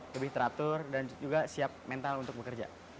lebih teratur dan juga siap mental untuk bekerja